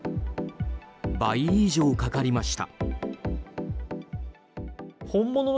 倍以上かかりました。